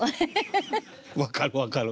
分かる分かる。